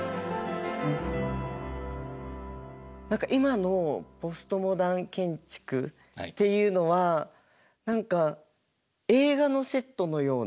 何か今のポストモダン建築っていうのは何か映画のセットのような。